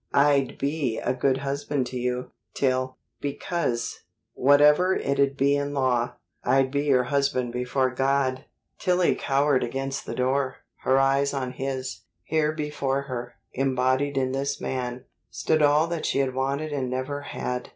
I'd be a good husband to you, Till because, whatever it'd be in law, I'd be your husband before God." Tillie cowered against the door, her eyes on his. Here before her, embodied in this man, stood all that she had wanted and never had.